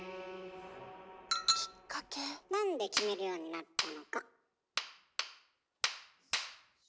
なんで決めるようになったのか。